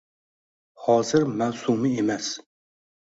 Hozir mavsumi emas